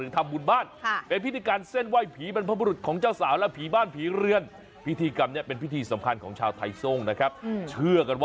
ทำไมถึงทำอย่างนั้น